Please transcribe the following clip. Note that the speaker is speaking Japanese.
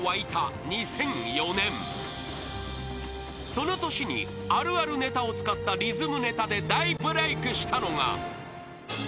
［その年にあるあるネタを使ったリズムネタで大ブレークしたのが］